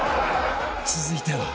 続いては